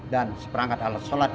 dan seperangkat alat sholat